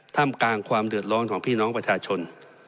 ท่ามกลางความเดือดร้อนของพี่น้องประชาชน